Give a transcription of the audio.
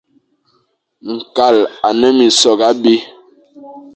Kal e a ne minsokh abî,